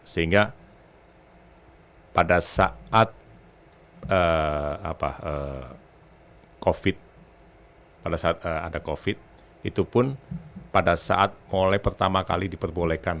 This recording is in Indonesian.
sehingga pada saat ada covid sembilan belas itu pun pada saat mulai pertama kali diperbolehkan